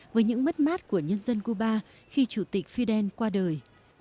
với những mất mát của nhân dân cuba khi chủ tịch fidel qua đời